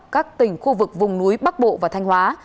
các tỉnh khu vực vùng núi bắc bộ và thanh hóa